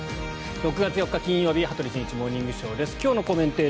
６月４日、金曜日「羽鳥慎一モーニングショー」。